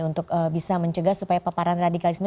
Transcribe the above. untuk bisa mencegah supaya paparan radikalisme